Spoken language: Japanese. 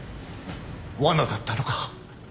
罠だったのか？